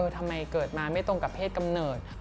ทำไมเกิดมาไม่ตรงกับเพศกำเนิด